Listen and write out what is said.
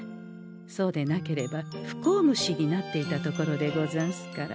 そうでなければ不幸虫になっていたところでござんすから。